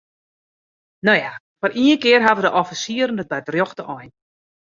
No ja, foar ien kear hawwe de offisieren it by de rjochte ein.